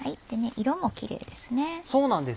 色もキレイですね。